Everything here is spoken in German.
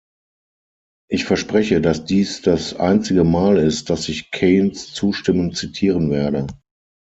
Ich verspreche, dass dies das einzige Mal ist, dass ich Keynes zustimmend zitieren werde.